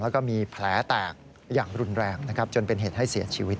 แล้วก็มีแผลแตกอย่างรุนแรงนะครับจนเป็นเหตุให้เสียชีวิต